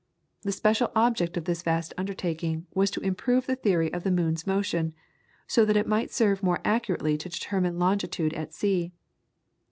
The special object of this vast undertaking was to improve the theory of the moon's motion, so that it might serve more accurately to determine longitudes at sea.